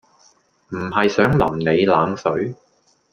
唔係想淋你冷水